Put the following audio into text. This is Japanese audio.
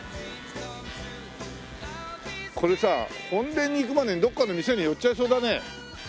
これさ本殿に行くまでにどっかの店に寄っちゃいそうだね。